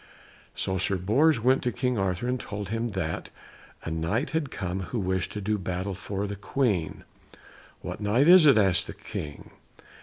So Sir Bors went to King Arthur and told him that a Knight had come who wished to do battle for the Queen. "What Knight is he?" asked the King.